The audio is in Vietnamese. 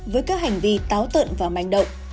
với các hành vi táo tận và manh động